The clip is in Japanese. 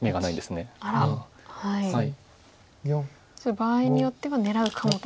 場合によっては狙うかもと。